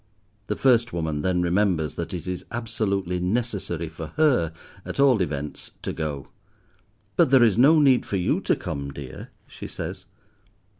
The first woman then remembers that it is absolutely necessary for her, at all events, to go. "But there is no need for you to come, dear," she says.